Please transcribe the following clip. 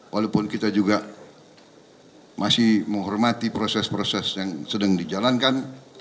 walaupun kita juga masih menghormati proses proses yang sedang dijalankan